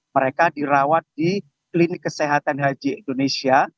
mereka dirawat di klinik kesehatan haji indonesia